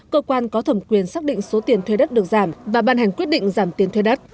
cơ quan có thẩm quyền xác định số tiền thuê đất được giảm và ban hành quyết định giảm tiền thuê đất